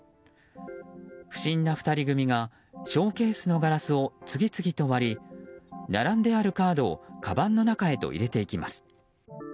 不審な２人組がショーケースのガラスを次々と割り、並んであるカードをかばんの中へと入れていきます。